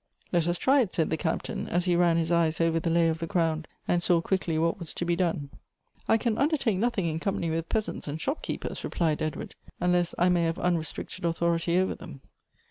" Let us try it," said the Captain, as he ran his eyes over the lay of the ground, and saw quickly what was to be done. " I can undertake nothing in company with peasants and shopkeepers," replied Edward, " unless I may have unrestricted authority over them."